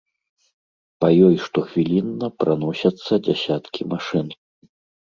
Па ёй штохвілінна праносяцца дзясяткі машын.